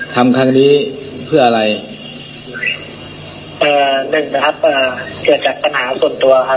ทำครั้งนี้เพื่ออะไรเอ่อหนึ่งนะครับเอ่อเกิดจากปัญหาส่วนตัวครับ